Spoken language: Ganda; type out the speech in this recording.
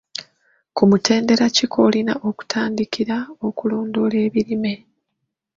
Ku mutendera ki kw'olina okutandikira okulondoola ebirime?